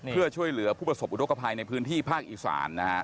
เพื่อช่วยเหลือผู้ประสบอุทธกภัยในพื้นที่ภาคอีสานนะฮะ